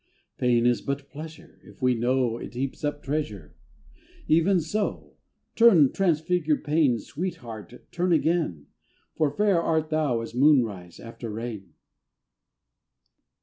Pain is but pleasure, If we know It heaps up treasure :— Even so ! Turn, transfigured Pain, Sweetheart, turn again, For fair art thou as moon rise after rain.